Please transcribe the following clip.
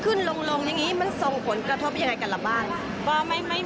ขึ้นลงอย่างนี้มันส่งผลกระทบอย่างไรกันหรือเปล่าบ้าง